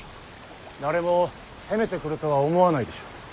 誰も攻めてくるとは思わないでしょう。